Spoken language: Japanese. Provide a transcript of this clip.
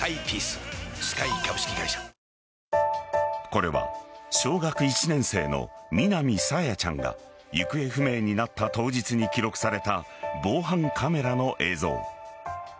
これは小学１年生の南朝芽ちゃんが行方不明になった当日に記録された、防犯カメラの映像。